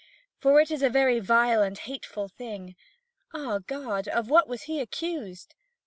For it is a very vile and hateful thing. Ah, God, of what was he accused?